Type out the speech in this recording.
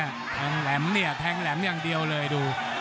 แทงแหลมเนี่ยแทงแหลมอย่างเดียวเลยดู